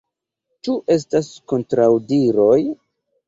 Ĉu estas kontraŭdiroj?